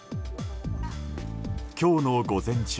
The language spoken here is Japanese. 今日の午前中